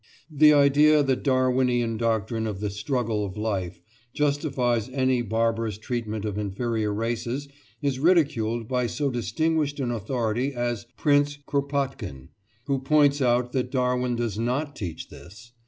The idea that the Darwinian doctrine of the "struggle of life" justifies any barbarous treatment of inferior races is ridiculed by so distinguished an authority as Prince Kropotkin, who points out that Darwin does not teach this.